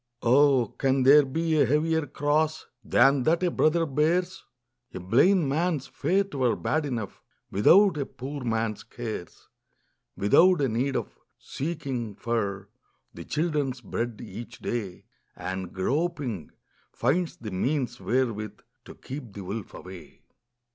Oh, can there be a heavier cross Than that a brother bears? A blind man's fate were bad enough Without a poor man's cares ; \V ithout a need of seeking for The children's bread each day, And groping, finds the means wherewith To keep the wolf away.